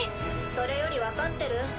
それより分かってる？